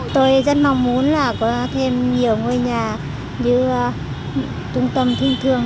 tôi rất mong muốn là có thêm nhiều ngôi nhà như trung tâm thương